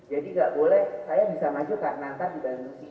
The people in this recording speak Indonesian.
jadi tidak boleh saya bisa maju karena akan dibantu si asid